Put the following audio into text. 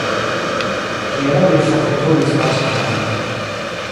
Hieraŭ li forveturis Moskvon.